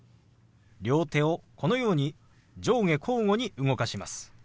両手をこのように上下交互に動かします。